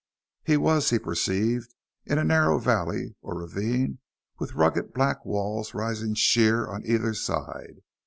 He was, he perceived, in a narrow valley or ravine, with rugged black walls rising sheer on either side.